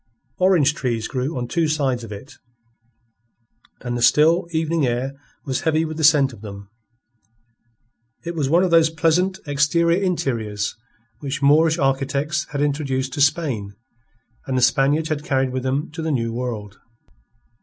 Orange trees grew on two sides of it, and the still, evening air was heavy with the scent of them. It was one of those pleasant exterior interiors which Moorish architects had introduced to Spain and the Spaniards had carried with them to the New World.